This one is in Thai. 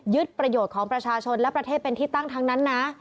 ประโยชน์ของประชาชนและประเทศเป็นที่ตั้งทั้งนั้นนะ